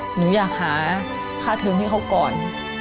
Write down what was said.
หนูอยากหาค่าเทิมให้เขาก่อน